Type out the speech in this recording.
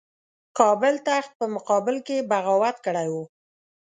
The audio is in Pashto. کابل تخت په مقابل کې بغاوت کړی وو.